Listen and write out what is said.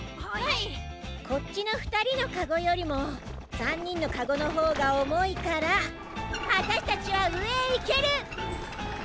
こっちのふたりのかごよりも３にんのかごのほうがおもいからわたしたちはうえへいける！